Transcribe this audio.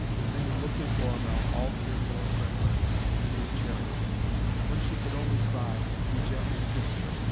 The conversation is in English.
Then he lifted Florimell, all tearful and trembling, into his chariot. When she could only cry, he gently kissed her.